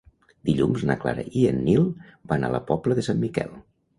Dilluns na Clara i en Nil van a la Pobla de Sant Miquel.